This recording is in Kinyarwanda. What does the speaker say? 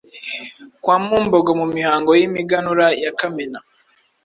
kwa Mumbogo mu mihango y’Imiganura ya Kamena